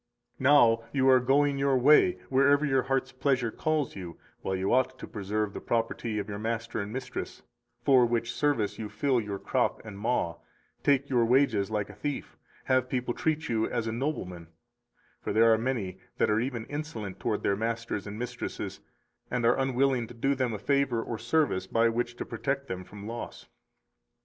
235 Now you are going your way [wherever your heart's pleasure calls you] while you ought to preserve the property of your master and mistress, for which service you fill your crop and maw, take your wages like a thief, have people treat you as a nobleman; for there are many that are even insolent towards their masters and mistresses, and are unwilling to do them a favor or service by which to protect them from loss.